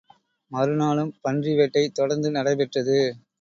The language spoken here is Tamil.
மறு நாளும் பன்றி வேட்டை தொடர்ந்து நடைபெற்றது.